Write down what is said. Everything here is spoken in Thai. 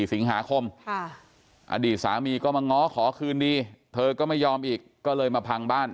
สิงหาคมอดีตสามีก็มาง้อขอคืนดีเธอก็ไม่ยอมอีกก็เลยมาพังบ้าน